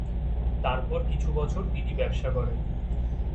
তারপর কিছু বছর তিনি ব্যবসা করেন।